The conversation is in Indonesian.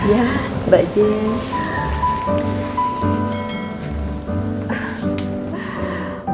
iya mbak jen